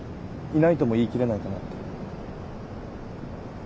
いないとも言い切れないかなって。